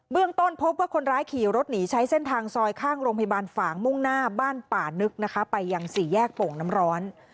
ต้นพบว่าคนร้ายขี่รถหนีใช้เส้นทางซอยข้างโรงพยาบาลฝางมุ่งหน้าบ้านป่านึกนะคะไปยังสี่แยกโป่งน้ำร้อน